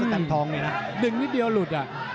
หนึ่งนิดเดียวหลุดอ่ะ